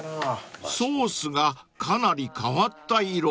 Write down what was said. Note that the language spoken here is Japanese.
［ソースがかなり変わった色］